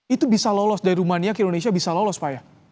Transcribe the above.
itu bisa lolos dari rumania ke indonesia bisa lolos pak ya